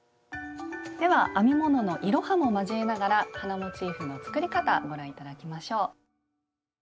では編み物のいろはも交えながら花モチーフの作り方ご覧頂きましょう。